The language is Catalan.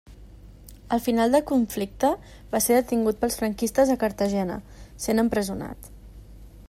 Al final del conflicte va ser detingut pels franquistes a Cartagena, sent empresonat.